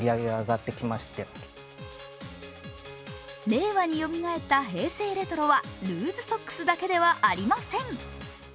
令和によみがえった平成レトロはルーズソックスだけではありません。